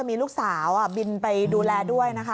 มีลูกสาวบินไปดูแลด้วยนะคะ